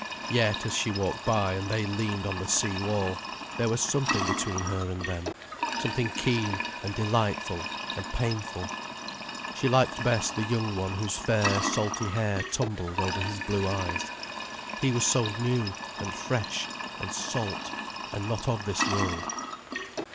Yet as she walked by and they leaned on the sea wall, there was something between her and them, something keen and delightful and painful. She liked best the young one whose fair, salty hair tumbled over his blue eyes. He was so new and fresh and salt and not of this world.